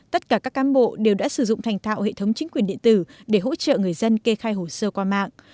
tất cả các cám bộ đều đã sử dụng thành thạo hệ thống chính quyền điện tử để hỗ trợ người dân kê khai hồ sơ qua mạng